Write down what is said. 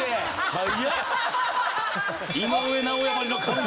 早っ！